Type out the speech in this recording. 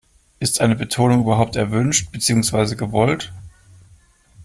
Ist eine Betonung überhaupt erwünscht, beziehungsweise gewollt?